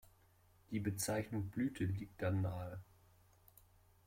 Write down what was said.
Die Bezeichnung „Blüte“ liegt dann nahe.